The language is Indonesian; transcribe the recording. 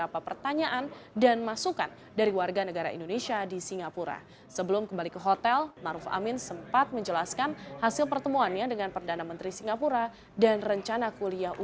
pertemuan tersebut berlangsung